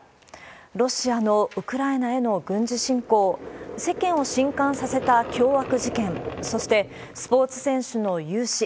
ロシアのウクライナへの軍事侵攻、世間を震撼させた凶悪事件、そして、スポーツ選手の雄姿。